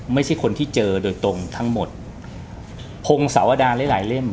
ไม่ใช่คนที่เจอโดยตรงทั้งหมดพงศาวดาหลายหลายเล่ม